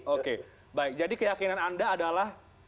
oke baik jadi keyakinan anda adalah